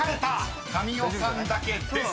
［神尾さんだけデス。